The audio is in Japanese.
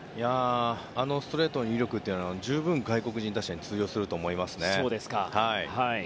あのストレートの威力は十分、外国人打者に通用すると思いますね。